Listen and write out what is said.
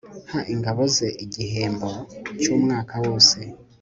aha ingabo ze igihembo cy'umwaka wose